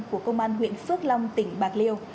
của công an huyện phước long tỉnh bạc liêu